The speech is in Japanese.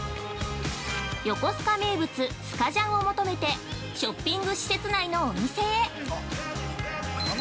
横須賀名物スカジャンを求めてショッピング施設内のお店へ。